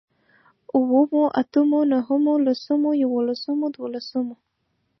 اوومو، اتمو، نهمو، لسمو، يوولسمو، دوولسمو